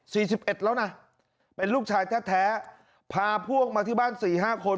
สิบเอ็ดแล้วนะเป็นลูกชายแท้แท้พาพวกมาที่บ้านสี่ห้าคน